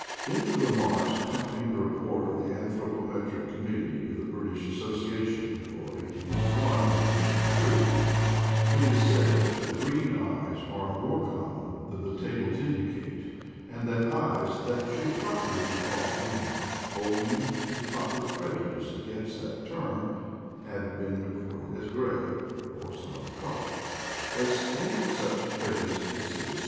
In the remarks accompanying the Report of the Anthropometric Committee of the British As sociation for 1881 and 1883, it is said that green eyes are more common than the tables indicate, and that eyes that should properly be called green, owing to the popular prejudice against that term, have been recorded as gray or some other color. Does any such prejudice exist?